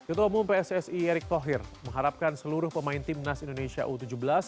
ketua umum pssi erick thohir mengharapkan seluruh pemain timnas indonesia u tujuh belas